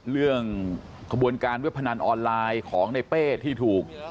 เรื่องขบวนการวิวพนันออนไลน์ของในเป้ที่ถูก